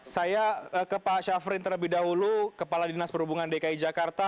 saya ke pak syafrin terlebih dahulu kepala dinas perhubungan dki jakarta